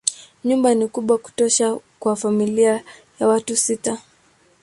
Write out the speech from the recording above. Nyumba ni kubwa kutosha kwa familia ya watu sita.